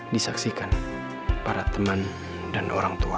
disaksikan para teman dan orang tua